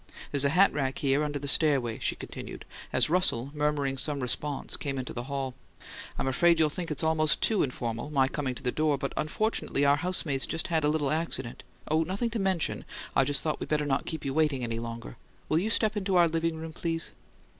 There's a hat rack here under the stairway," she continued, as Russell, murmuring some response, came into the hall. "I'm afraid you'll think it's almost TOO informal, my coming to the door, but unfortunately our housemaid's just had a little accident oh, nothing to mention! I just thought we better not keep you waiting any longer. Will you step into our living room, please?"